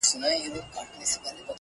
چي راټوپ كړله ميدان ته يو وگړي.!